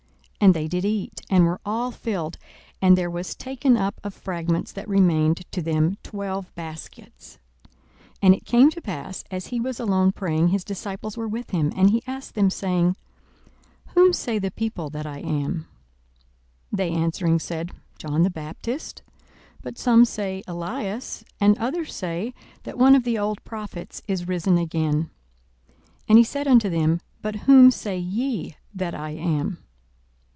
42:009:017 And they did eat, and were all filled: and there was taken up of fragments that remained to them twelve baskets. 42:009:018 And it came to pass, as he was alone praying, his disciples were with him: and he asked them, saying, Whom say the people that I am? 42:009:019 They answering said, John the Baptist; but some say, Elias; and others say, that one of the old prophets is risen again. 42:009:020 He said unto them, But whom say ye that I am?